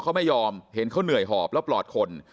เขาไม่ยอมเห็นเขาเหนื่อยหอบแล้วปลอดคน